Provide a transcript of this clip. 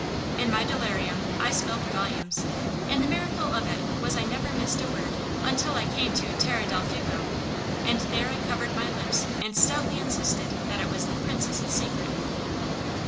In my delirium I spelled volumes; and the miracle of it was I never missed a word until I came to "Terra del Fuego," and there I covered my lips and stoutly insisted that it was the Princess' secret.